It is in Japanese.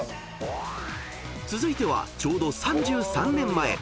［続いてはちょうど３３年前］